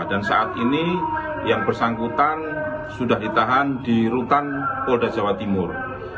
dan saat ini yang bersangkutan sudah ditahan di rutan polda jawa timur